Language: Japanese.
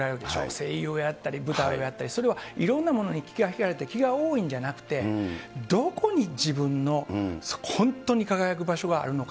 声優をやったり、舞台をやったり、それはいろんなものに気が引かれて、気が多いんじゃなくて、どこに自分の本当に輝く場所があるのか。